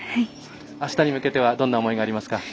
あしたに向けてはどんな思いがありますか。